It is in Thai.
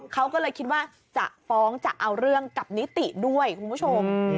เขาก็เลยคิดว่าจะฟ้องจะเอาเรื่องกับนิติด้วยคุณผู้ชม